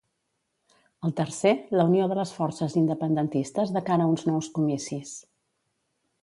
El tercer, la unió de les forces independentistes de cara a uns nous comicis.